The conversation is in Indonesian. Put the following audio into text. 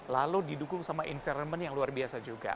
lalu didukung sama environment yang luar biasa juga